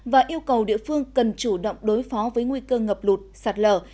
và yêu cầu địa phương cần chủ động đối phó với nguy cơ ngập lụt sạt lở